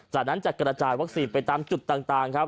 จากนั้นจะกระจายวัคซีนไปตามจุดต่างครับ